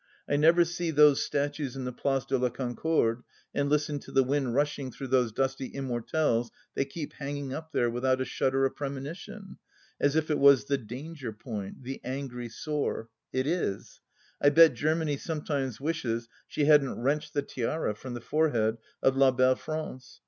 I never see those statues in the Place de la Concorde and listen to the wind rushing through those dusty immortelles they keep hanging up there, without a shudder of premonition, as if it was the danger point — ^the angry sore. ... It is. I bet Germany sometimes wishes she hadn't wrenched the tiara from the forehead of La Belle France.